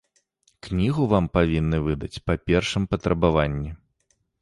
Кнігу вам павінны выдаць па першым патрабаванні.